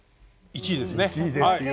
１位ですよ。